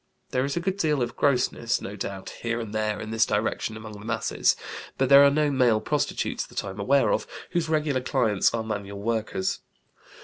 There is a good deal of grossness, no doubt, here and there in this direction among the masses; but there are no male prostitutes (that I am aware of) whose regular clients are manual workers.